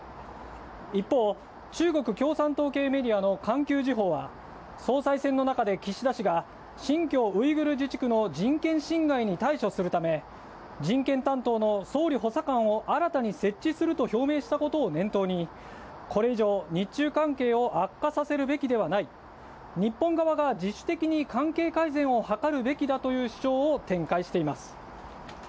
一方、中国共産党系メディアの環球時報は総裁選の中で岸田氏が新疆ウイグル自治区の人権侵害に対処するため、人権担当の総理補佐官を新たに設置すると表明したことを念頭にこれ以上、日中関係を悪化させるべきではない、日本側が自主的に関係改善を図るべきだという主張を展開。